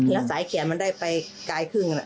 แล้วสายแขนมันได้ไปกายครึ่ง